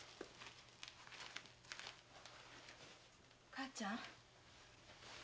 母ちゃん？